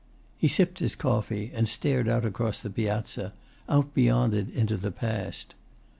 He sipped his coffee, and stared out across the piazza, out beyond it into the past.